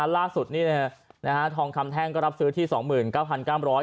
ล่าสุดทองคำแท่งก็รับซื้อที่๒๙๙๐๐บาท